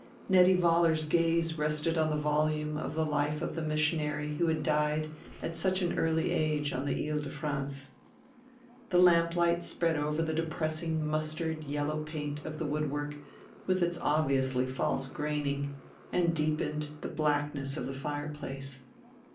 Nettie Vollar's gaze rested on the volume of the life of the missionary who had died at such an early age on the Île de France. The lamplight spread over the depressing mustard yellow paint of the woodwork with its obviously false graining and deepened the blackness of the fireplace.